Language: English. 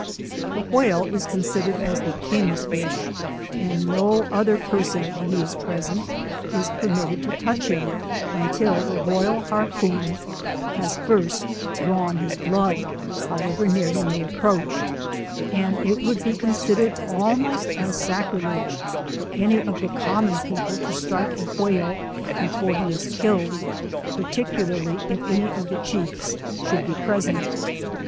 The whale is considered as the king's fish, and no other person, when he is piesent, is permitted to touch him, until the rayal harpoon has fir^t drawn his blood, however near he may approach; and 84 it would be considered almost as sacrilege for any of the common people to strike a whale, before he is killed, particularly if any of the chiefs should be present.